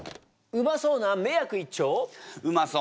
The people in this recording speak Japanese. うまそうな迷惑一丁！